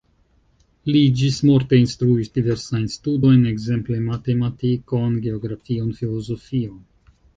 Li ĝismorte instruis diversajn studojn, ekzemple matematikon, geografion, filozofion.